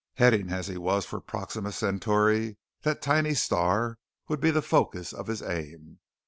Heading as he was for Proxima Centauri, that tiny star would be the focus of his aim.